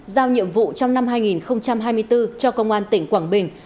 giao nhiệm vụ trong năm hai nghìn hai mươi bốn cho công an tỉnh quảng bình